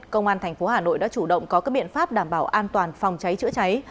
công an thành phố hà nội đã chủ động có các biện pháp đảm bảo an toàn phòng cháy chữa cháy